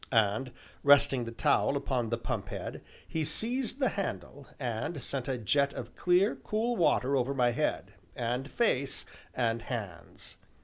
And, resting the towel upon the pump head, he seized the handle, and sent a jet of clear, cool water over my head, and face, and hands.